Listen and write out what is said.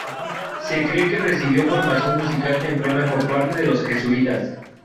Se cree que recibió formación musical temprana por parte de los jesuitas.